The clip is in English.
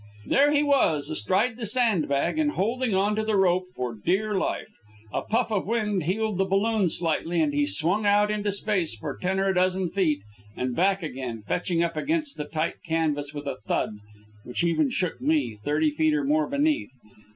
There he was, astride the sandbag and holding on to the rope for dear life. A puff of wind heeled the balloon slightly, and he swung out into space for ten or a dozen feet, and back again, fetching up against the tight canvas with a thud which even shook me, thirty feet or more beneath.